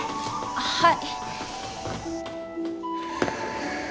はい